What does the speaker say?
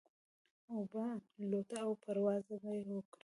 وابه لوته او پرواز به يې وکړ.